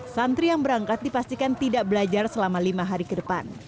santri yang berangkat dipastikan tidak belajar selama lima hari ke depan